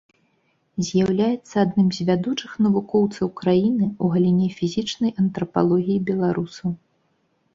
З'яўляецца адным з вядучых навукоўцаў краіны ў галіне фізічнай антрапалогіі беларусаў.